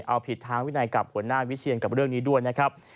เอาผิดทางวินัยกับหัวหน้าวิเชียนกับเรื่องนี้ด้วยนะครับ